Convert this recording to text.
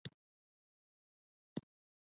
ناروغي څنګه درمل کړو؟